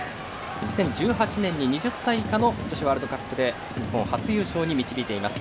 ２０１８年に２０歳以下のワールドカップで日本初優勝に導いています。